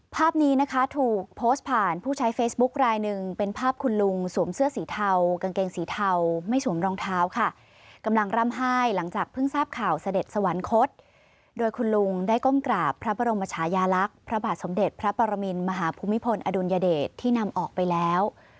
ภาพนี้นะคะถูกโพสต์ผ่านผู้ใช้เฟซบุ๊คลายหนึ่งเป็นภาพคุณลุงสวมเสื้อสีเทากางเกงสีเทาไม่สวมรองเท้าค่ะกำลังร่ำไห้หลังจากเพิ่งทราบข่าวเสด็จสวรรคตโดยคุณลุงได้ก้มกราบพระบรมชายาลักษณ์พระบาทสมเด็จพระปรมินมหาภูมิพลอดุลยเดชที่นำออกไปแล้ว